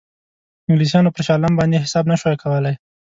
انګلیسانو پر شاه عالم باندې حساب نه شو کولای.